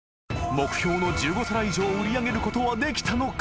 ［目標の１５皿以上売り上げることはできたのか？］